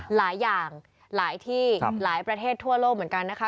หลายอย่างหลายที่หลายประเทศทั่วโลกเหมือนกันนะคะ